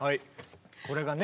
これがね